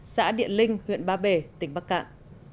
xã địa linh huyện ba bể tỉnh bắc cạn